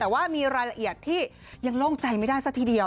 แต่ว่ามีรายละเอียดที่ยังโล่งใจไม่ได้ซะทีเดียว